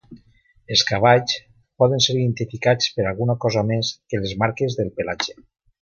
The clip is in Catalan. Els cavalls poden ser identificats per alguna cosa més que les marques del pelatge.